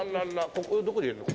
ここどこで入れるの？